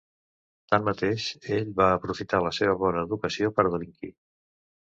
Tanmateix, ell va aprofitar la seva bona educació per delinquir.